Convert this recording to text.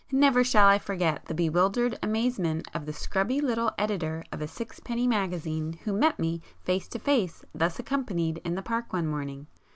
Never shall I forget the bewildered amazement of the scrubby little editor of a sixpenny magazine who met me face to face thus accompanied in the Park one morning!